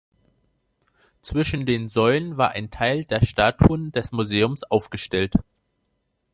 Zwischen den Säulen war ein Teil der Statuen des Museums aufgestellt.